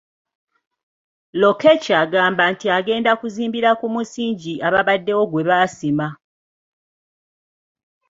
Lokech agamba nti agenda kuzimbira ku musingi ababaddewo gwe baasima.